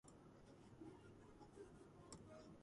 ავგიტი მაგმური ქანების მნიშვნელოვანი ქანმაშენი მინერალია.